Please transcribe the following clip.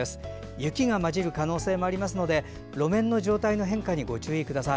雪が交じる可能性もありますので路面の状態の変化にご注意ください。